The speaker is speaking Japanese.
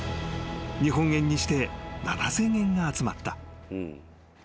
日本円にして７，０００円が集まった］